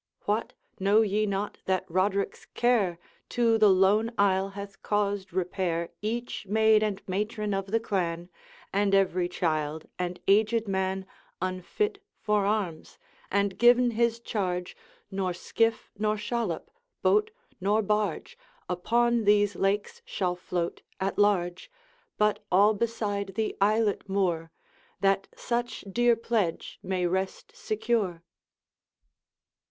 'What! know ye not that Roderick's care To the lone isle hath caused repair Each maid and matron of the clan, And every child and aged man Unfit for arms; and given his charge, Nor skiff nor shallop, boat nor barge, Upon these lakes shall float at large, But all beside the islet moor, That such dear pledge may rest secure?'